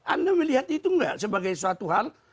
anda melihat itu enggak sebagai suatu hal